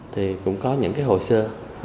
thì cũng có những cái hồ sơ